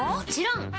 ん？